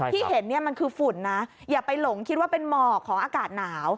ที่เห็นเนี่ยมันคือฝุ่นนะอย่าไปหลงคิดว่าเป็นหมอกของอากาศหนาว